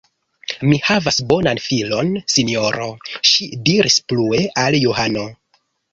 Mi havas bonan filon, sinjoro, ŝi diris plue al Johano.